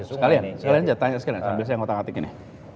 oh sekalian sekalian saya tanya sekalian sambil saya ngotak ngatikin ya